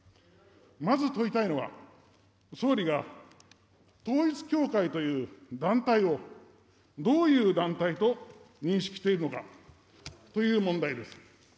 まず問いたいのは、総理が統一教会という団体を、どういう団体と認識しているのかという問題です。